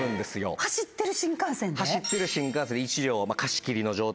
走ってる新幹線で１両貸し切りの状態で。